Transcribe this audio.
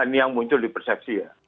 ini yang muncul di persepsi ya